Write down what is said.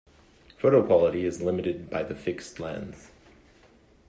Photo quality is limited by the fixed lens.